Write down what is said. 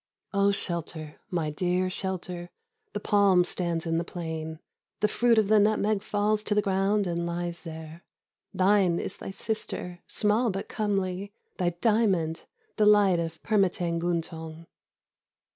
"'Oh, shelter! my dear shelter! the palm stands in the plain. The fruit of the nutmeg falls to the ground and lies there. Thine is thy sister, small but comely, Thy diamond! the light of Permâtang Guntong.